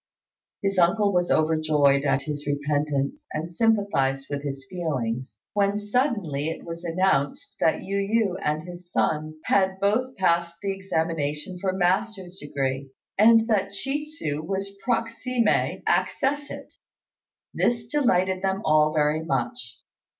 His uncle was overjoyed at his repentance, and sympathised with his feelings, when suddenly it was announced that Yu yü and his son had both passed the examination for master's degree, and that Chi tsu was proximé accessit. This delighted them all very much.